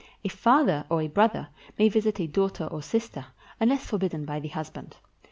A father or a brother may visit a daughter or sister, unless forbidden by the husband.